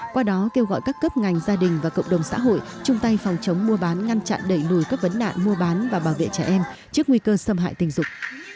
qua đó kêu gọi các cấp ngành gia đình và cộng đồng xã hội chung tay phòng chống mua bán ngăn chặn đẩy lùi các vấn đạn mua bán và bảo vệ trẻ em trước nguy cơ xâm hại tình dục